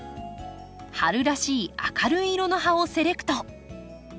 春らしい明るい色の葉をセレクト。